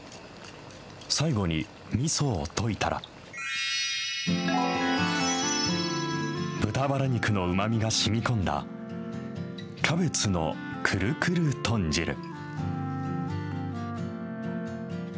最後にみそを溶いたら、豚バラ肉のうまみがしみこんだ、キャベツのくるくる豚汁。